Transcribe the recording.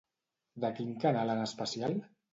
De quin canal en especial?